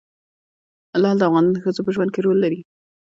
لعل د افغان ښځو په ژوند کې رول لري.